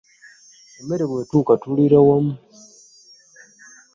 Emmere bwe tuuka tulira wamu.